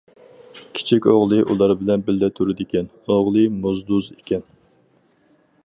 كىچىك ئوغلى ئۇلار بىلەن بىللە تۇرىدىكەن، ئوغلى موزدۇز ئىكەن.